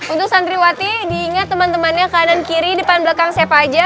untuk santriwati diingat teman temannya kanan kiri depan belakang siapa aja